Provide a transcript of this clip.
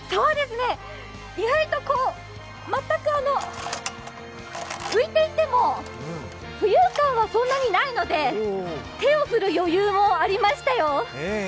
意外と、全く浮いていても、浮遊感はそんなにないので手を振る余裕もありましたよ。